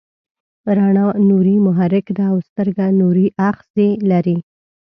رڼا نوري محرک ده او سترګه نوري آخذې لري.